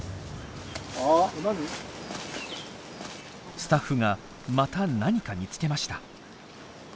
スタッフがまた何か見つけました。